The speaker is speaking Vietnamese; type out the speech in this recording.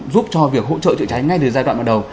giúp cho việc hỗ trợ chữa cháy ngay từ giai đoạn bắt đầu